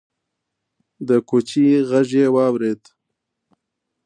د کوچي غږ يې واورېد: